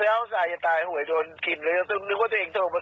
อันเมื่อวานมันหกหมื่นแล้วหกพันแล้วอันเก้ามันมีส้องพัน